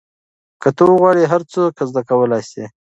که ته وغواړې هر څه زده کولای سې.